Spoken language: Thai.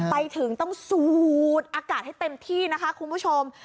ไปถึงต้องสูดอากาศให้เต็มที่นะคะคุณผู้ชม